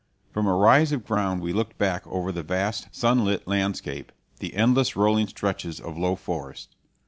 From a rise of ground we looked back over the vast, sunlit landscape, the endless rolling stretches of low forest.